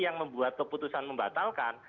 yang membuat keputusan membatalkan